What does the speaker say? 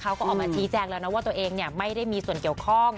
เขาก็ออกมาชี้แจงแล้วนะว่าตัวเองไม่ได้มีส่วนเกี่ยวข้อง